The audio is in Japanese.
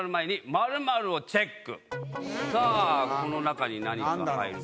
さぁこの中に何が入る？